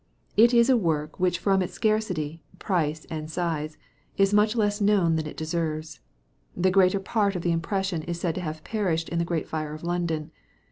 It is a work which from its scarcity, price, and size, is much less known than it deserves. The greater part of the impression is said to have perished in the great fire of London.